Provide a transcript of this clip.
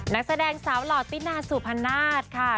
นักแสดงสาวหล่อตินาสุพนาศค่ะ